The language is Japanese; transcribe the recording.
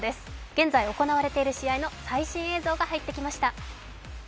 現在行われている試合の最新映像が入ってきました。